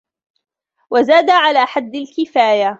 وَزَادَ عَلَى حَدِّ الْكِفَايَةِ